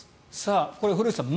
これ、古内さん